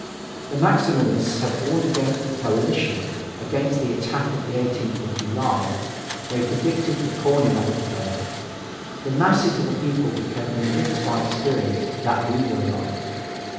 The Maximalists had warned against the coalition, against the attack of the 18th of July, they predicted the Korniloff affair the masses of the people became convinced by experience that we were right.